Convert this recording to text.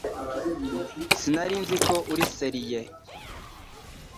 Sinari nzi ko uri serieux